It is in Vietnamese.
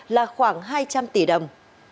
là khoảng hai trăm linh tỷ đồng